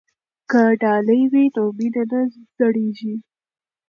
که ډالۍ وي نو مینه نه زړیږي.